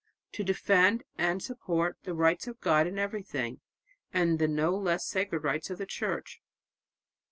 . to defend and support the rights of God in everything, and the no less sacred rights of the Church."